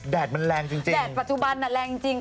แดดมันแรงจริงแดดปัจจุบันน่ะแรงจริง